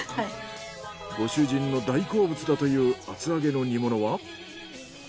ご主人の大好物だという厚揚げの煮物は。